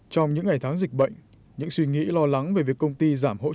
trong những ngày tháng dịch bệnh những suy nghĩ lo lắng về việc công ty giảm hỗ trợ